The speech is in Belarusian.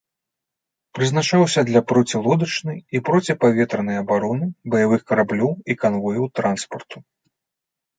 Прызначаўся для процілодачнай і проціпаветранай абароны баявых караблёў і канвояў транспарту.